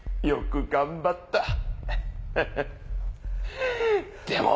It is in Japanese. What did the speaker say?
よく頑張った。